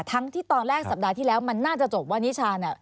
ทั้งที่ตอนแรกสัปดาห์ที่แล้วมันน่าจะจบว่านิชา